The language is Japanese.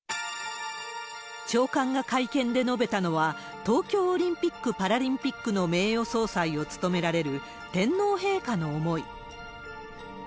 長官が会見で述べたのは、東京オリンピック・パラリンピックの名誉総裁を務められる天皇陛下の思い。